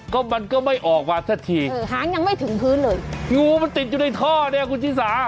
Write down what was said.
ก็มันก็ไม่ออกมาสักทีงูมันติดอยู่ในท่อเนี่ยคุณชิสา